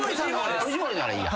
藤森ならいいや。